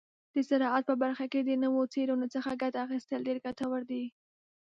د زراعت په برخه کې د نوو څیړنو څخه ګټه اخیستل ډیر ګټور دي.